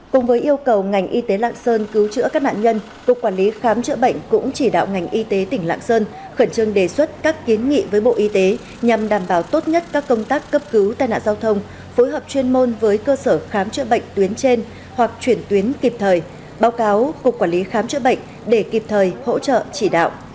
cùng với yêu cầu ngành y tế lạng sơn cứu chữa các nạn nhân cục quản lý khám chữa bệnh cũng chỉ đạo ngành y tế tỉnh lạng sơn khẩn trương đề xuất các kiến nghị với bộ y tế nhằm đảm bảo tốt nhất các công tác cấp cứu tai nạn giao thông phối hợp chuyên môn với cơ sở khám chữa bệnh tuyến trên hoặc chuyển tuyến kịp thời báo cáo cục quản lý khám chữa bệnh để kịp thời hỗ trợ chỉ đạo